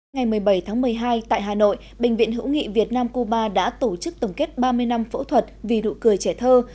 ngày một mươi bảy tháng một mươi hai tại hà nội bệnh viện hữu nghị việt nam cuba đã tổ chức tổng kết ba mươi năm phẫu thuật vì đụ cười trẻ thơ